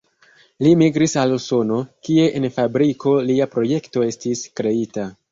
Li migris al Usono, kie en fabriko lia projekto estis kreita.